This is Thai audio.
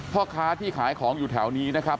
พ่อค้าที่ขายของอยู่แถวนี้นะครับ